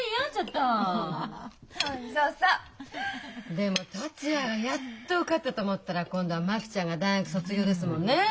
でも達也がやっと受かったと思ったら今度は真紀ちゃんが大学卒業ですもんねえ。